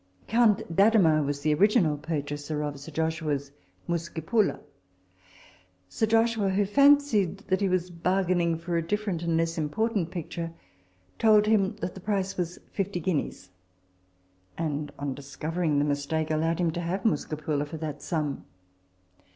Count d'Adhemar was the original purchaser of Sir Joshua's Muscipula. Sir Joshua, who fancied that he was bargaining for a different and less im portant picture, told him that the price was fifty guineas ; and on discovering the mistake, allowed him to have Muscipula for that sum.